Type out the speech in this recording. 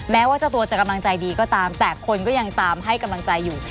แม้ว่าเจ้าตัวจะกำลังใจดีก็ตามแต่คนก็ยังตามให้กำลังใจอยู่